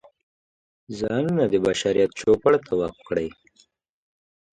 ځانونه د بشریت چوپړ ته وقف کړي.